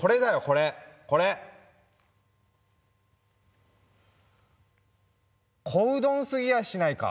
これこれ小うどんすぎやしないか？